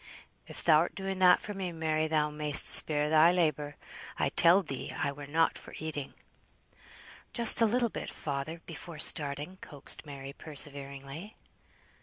"If thou'rt doing that for me, Mary, thou may'st spare thy labour. I telled thee I were not for eating." "Just a little bit, father, before starting," coaxed Mary, perseveringly.